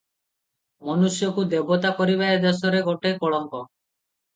ମନୁଷ୍ୟକୁ ଦେବତା କରିବା ଏ ଦେଶରେ ଗୋଟାଏ କଳଙ୍କ ।